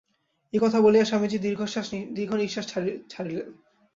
এই কথা বলিয়া স্বামীজী দীর্ঘনিঃশ্বাস ছাড়িলেন।